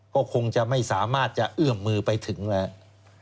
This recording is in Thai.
ก็คงจะไม่สามารถจะเอื้อมมือไปถึงแล้ว